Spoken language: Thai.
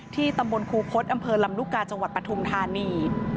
ที่ตำบลคุคสอำเภอลำลุกาจังหวัดปทุมธานี